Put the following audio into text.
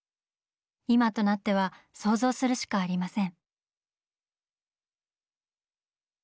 今となっては想像するしかありません。